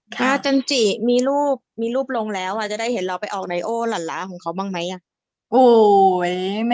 ถ้าจันจิมีรูปมีรูปลงแล้วจะได้เห็นเราไปออกไนโอหลานล้าของเขาบ้างไหม